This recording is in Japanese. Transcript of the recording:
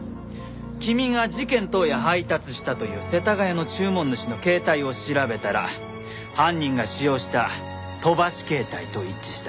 君が事件当夜配達したという世田谷の注文主の携帯を調べたら犯人が使用した飛ばし携帯と一致した。